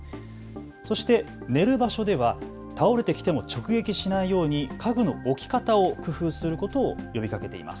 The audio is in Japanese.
そして寝る場所では倒れてきても直撃しないように家具の置き方を工夫することを呼びかけています。